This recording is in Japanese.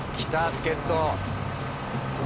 助っ人。